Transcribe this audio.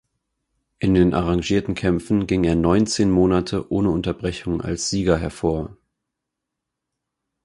In den arrangierten Kämpfen ging er neunzehn Monate ohne Unterbrechung als Sieger hervor.